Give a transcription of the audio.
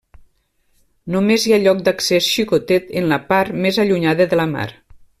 Només hi ha lloc d'accés, xicotet, en la part més allunyada de la mar.